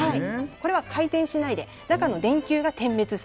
これは回転しないで中の電球が点滅するタイプです。